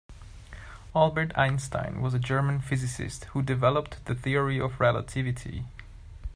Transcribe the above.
Albert Einstein was a German physicist who developed the Theory of Relativity.